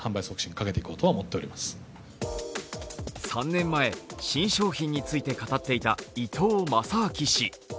３年前、新商品について語っていた伊東正明氏。